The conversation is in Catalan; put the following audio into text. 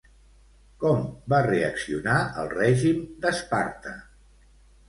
Com va reaccionar el règim d'Esparta?